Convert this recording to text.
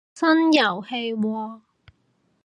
新遊戲喎